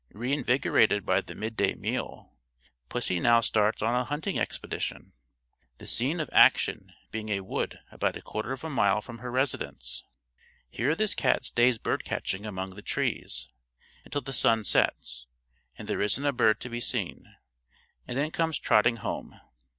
Reinvigorated by the mid day meal, pussy now starts on a hunting expedition, the scene of action being a wood about a quarter of a mile from her residence. Here this cat stays bird catching among the trees, until the sun sets and there isn't a bird to be seen, and then comes trotting home.